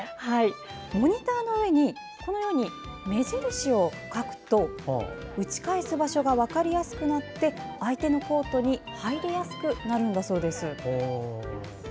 モニターの上に目印を描くと打ち返す場所が分かりやすくなり相手のコートに入りやすくなるんだそうです。